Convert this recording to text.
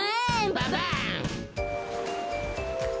ババン。